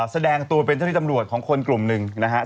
แสดงตัวเป็นเจ้าที่ตำรวจของคนกลุ่มหนึ่งนะครับ